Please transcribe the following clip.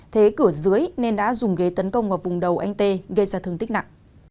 thế cửa dưới nên đã dùng ghế tấn công vào vùng đầu anh tê gây ra thương tích nặng